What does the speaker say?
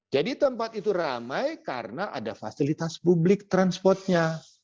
jadi tempat itu ramai karena ada fasilitas publik transportnya